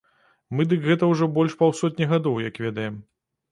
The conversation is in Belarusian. Мы дык гэта ўжо больш паўсотні гадоў як ведаем.